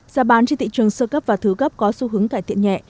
giá bán trên thị trường sơ cấp và thứ cấp có xu hướng cải thiện nhẹ